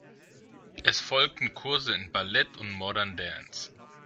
Es folgten Kurse in Ballett und Modern Dance.